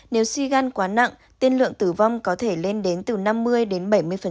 nếu suy gan quá nặng tiên lượng tử vong có thể lên đến từ năm mươi đến bảy mươi